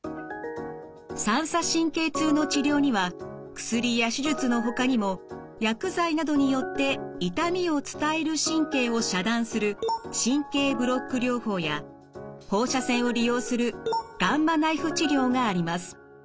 三叉神経痛の治療には薬や手術のほかにも薬剤などによって痛みを伝える神経を遮断する神経ブロック療法や放射線を利用するガンマナイフ治療があります。